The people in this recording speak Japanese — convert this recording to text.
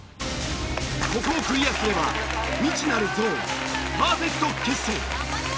ここをクリアすれば未知なるゾーンパーフェクト決戦。